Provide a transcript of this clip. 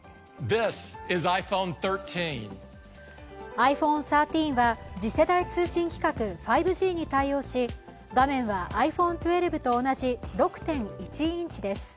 ｉＰｈｏｎｅ１３は次世代通信規格、５Ｇに対応し、画面はｉＰｈｏｎｅ１２と同じ６．１インチです。